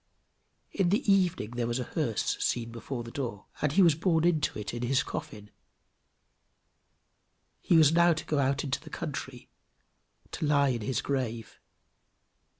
In the evening there was a hearse seen before the door, and he was borne into it in his coffin: he was now to go out into the country, to lie in his grave.